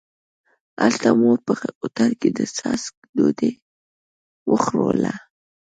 هلته مو په هوټل کې د څاښت ډوډۍ وخوړله.